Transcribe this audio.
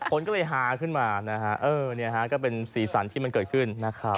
คนก็เลยฮาขึ้นมานะฮะเออเนี่ยฮะก็เป็นสีสันที่มันเกิดขึ้นนะครับ